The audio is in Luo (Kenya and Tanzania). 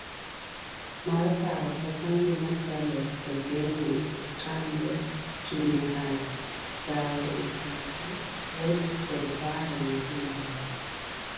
mar paro kaka ngima chalo to geng'o to tamre chunymarach, dhawoekindji, kuothkodparonejimarach